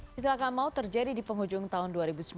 kecelakaan mau terjadi di penghujung tahun dua ribu sembilan belas